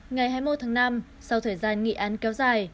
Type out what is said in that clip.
ngày hai mươi một tháng năm sau thời gian nghị án kéo dài